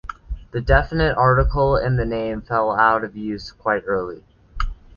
The definite article in the name fell out of use quite early.